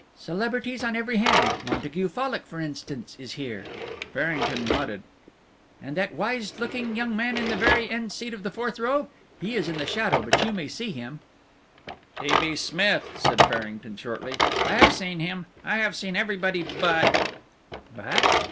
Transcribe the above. "Celebrities on every hand Montague Fallock, for instance, is here." Farrington nodded. "And that wise looking young man in the very end seat of the fourth row he is in the shadow, but you may see him." "T. B. Smith," said Farrington, shortly. "I have seen him I have seen everybody but " "But